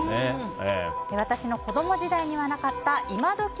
私の子供時代にはなかった今どき